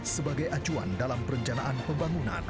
sebagai acuan dalam perencanaan pembangunan